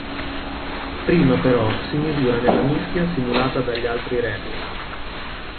Prima però si misura nella mischia simulata dagli altri re.